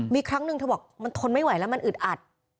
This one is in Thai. มีครั้งหนึ่งเธอบอกมันทนไม่ไหวแล้วมันอึดอัด